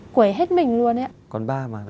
quể hết mình luôn ấy ạ